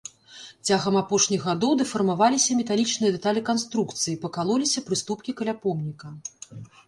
Цягам апошніх гадоў дэфармаваліся металічныя дэталі канструкцыі, пакалоліся прыступкі каля помніка.